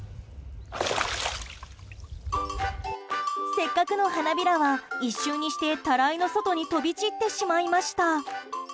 せっかくの花びらは一瞬にしてたらいの外に飛び散ってしまいました。